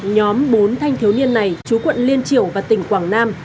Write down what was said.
nhóm bốn thanh thiếu niên này chú quận liên triều và tỉnh quảng nam